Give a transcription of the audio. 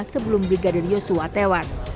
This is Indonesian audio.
sebelum brigadir yosua tewas